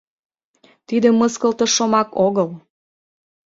Тиде мыскылтыш шомак огыл.